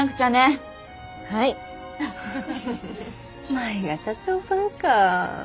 舞が社長さんかぁ。